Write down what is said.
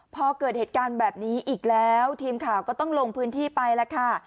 พอเกิดเหตุการณ์แบบนี้อีกแล้วทีมข่าวก็ต้องลงพื้นที่ไปแล้วค่ะ